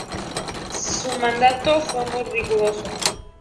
Su mandato fue muy riguroso.